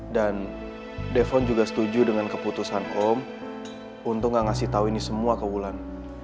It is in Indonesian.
dan defon juga setuju dengan keputusan om untuk gak ngasih tau ini semua ke wulan